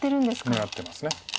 狙ってます。